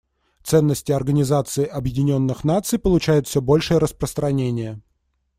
Ценности Организации Объединенных Наций получают все большее распространение.